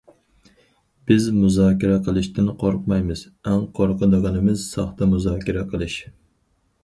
بىز مۇزاكىرە قىلىشتىن قورقمايمىز، ئەڭ قورقىدىغىنىمىز ساختا مۇزاكىرە قىلىش.